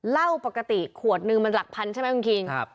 เหล้าปกติขวดนึงมันหลักพันใช่ไหมคุณคิง